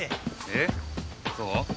えっそう？